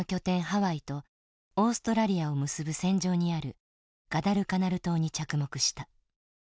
ハワイとオーストラリアを結ぶ線上にあるガダルカナル島に着目した。